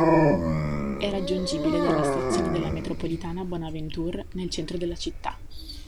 È raggiungibile dalla stazione della metropolitana Bonaventure, nel centro della città.